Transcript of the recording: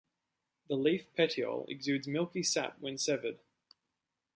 The leaf petiole exudes milky sap when severed.